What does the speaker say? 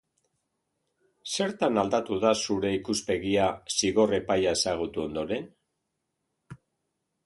Zertan aldatu da zure ikuspegia zigor epaia ezagutu ondoren?